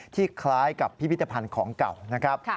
คล้ายกับพิพิธภัณฑ์ของเก่านะครับ